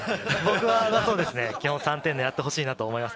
僕は基本３点狙ってほしいと思います。